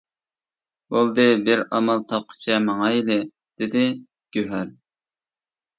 — بولدى، بىر ئامال تاپقىچە ماڭايلى، — دېدى گۆھەر.